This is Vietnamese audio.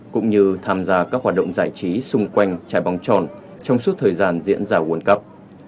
cũng như tham gia các hoạt động giải trí xung quanh trái bóng tròn trong suốt thời gian diễn ra world cup